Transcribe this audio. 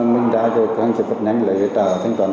mà cũng chuyển cho anh thượng